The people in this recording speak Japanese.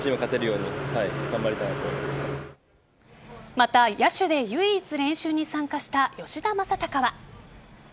また、野手で唯一練習に参加した吉田正尚は。